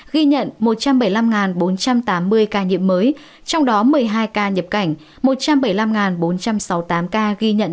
ghi nhận một trăm bảy mươi năm bốn trăm tám mươi ca nhiễm mới trong đó một mươi hai ca nhập cảnh một trăm bảy mươi năm bốn trăm sáu mươi tám ca ghi nhận